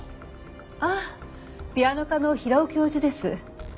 ああピアノ科の平尾教授です。